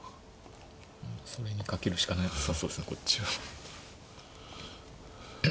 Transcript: うんそれに懸けるしかなさそうですねこっちは。